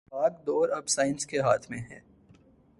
باگ ڈور اب سائنس کے ہاتھ میں ھے